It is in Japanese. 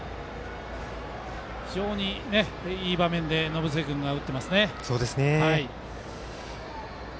非常にいい場面で延末君が打っていますね。